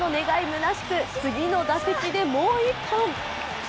むなしく次の打席でもう一本。